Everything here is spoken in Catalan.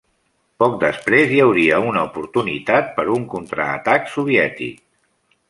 Poc després hi hauria una oportunitat per un contraatac soviètic.